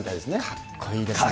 かっこいいです。